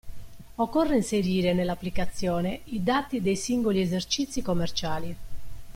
Occorre inserire nell'applicazione i dati dei singoli esercizi commerciali.